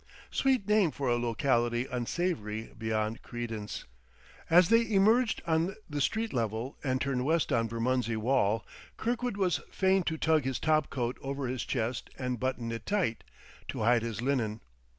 Sweet name for a locality unsavory beyond credence! ... As they emerged on the street level and turned west on Bermondsey Wall, Kirkwood was fain to tug his top coat over his chest and button it tight, to hide his linen.